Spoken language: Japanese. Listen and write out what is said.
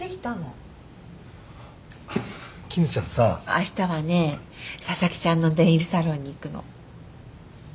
あしたはね佐々木ちゃんのネイルサロンに行くの。